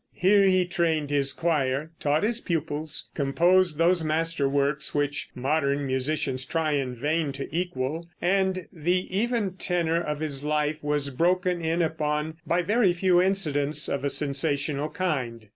Here he trained his choir, taught his pupils, composed those master works which modern musicians try in vain to equal, and the even tenor of his life was broken in upon by very few incidents of a sensational kind.